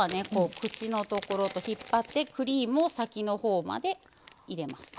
口のところを引っ張ってクリームを先のほうまで入れます。